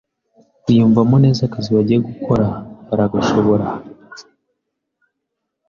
biyumvamo neza akzi bagiye gukora baragashobora.